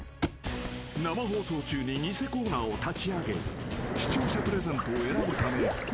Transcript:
［生放送中に偽コーナーを立ち上げ視聴者プレゼントを選ぶため昴